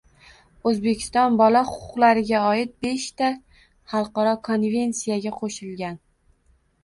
O‘zbekiston bola huquqlariga oid beshta xalqaro konvensiyaga qo‘shilgan